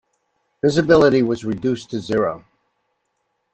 Visibility was reduced to zero.